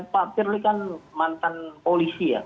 pak firly kan mantan polisi ya